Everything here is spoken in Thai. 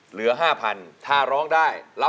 เหลือ๕๐๐๐บาท